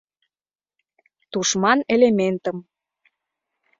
— Тушман элементым.